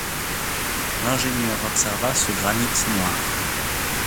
L’ingénieur observa ce granit noir.